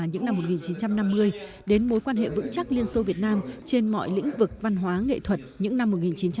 những năm một nghìn chín trăm năm mươi đến mối quan hệ vững chắc liên xô việt nam trên mọi lĩnh vực văn hóa nghệ thuật những năm một nghìn chín trăm sáu mươi một nghìn chín trăm tám mươi